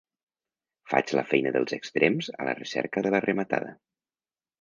Faig la feina dels extrems a la recerca de la rematada.